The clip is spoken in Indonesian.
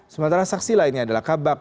sementara saksi lainnya adalah kabak